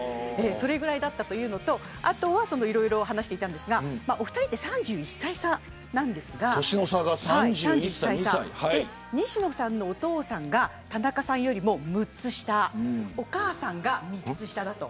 それぐらいだったっていうのとあとは、いろいろ話していたんですがお二人は３１歳差なんですが西野さんのお父さんが田中さんよりも６つ下お母さんが３つ下だと。